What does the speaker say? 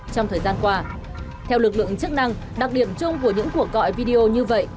trong thời gian qua theo lực lượng chức năng đặc điểm chung của những cuộc gọi video như vậy